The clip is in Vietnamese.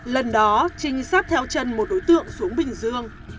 lần đó trinh sát theo chân một đối tượng xuống bình dương